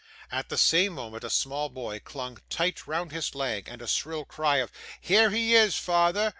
At the same moment, a small boy clung tight round his leg, and a shrill cry of 'Here he is, father!